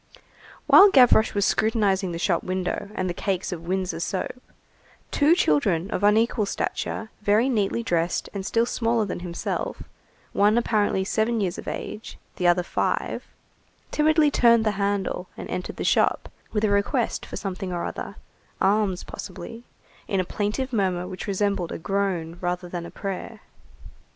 While Gavroche was scrutinizing the shop window and the cakes of windsor soap, two children of unequal stature, very neatly dressed, and still smaller than himself, one apparently about seven years of age, the other five, timidly turned the handle and entered the shop, with a request for something or other, alms possibly, in a plaintive murmur which resembled a groan rather than a prayer.